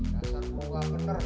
rasanya kamu gak bener